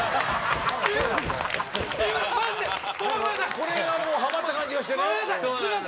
これがもうハマった感じがしてね。